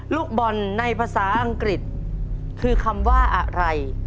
ลูกบอลในภาษาอังกฤษคือคำว่าอะไร